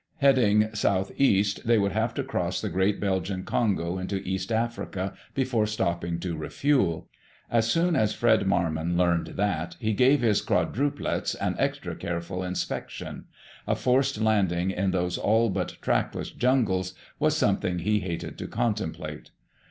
Heading southeast, they would have to cross the great Belgian Congo into East Africa before stopping to refuel. As soon as Fred Marmon learned that, he gave his "quadruplets" an extra careful inspection. A forced landing in those all but trackless jungles was something he hated to contemplate.